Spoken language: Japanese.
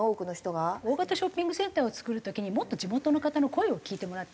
大型ショッピングセンターを造る時にもっと地元の方の声を聞いてもらってね